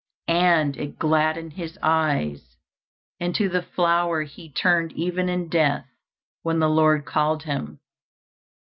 And it gladdened his eyes, and to the flower he turned, even in death, when the Lord called him.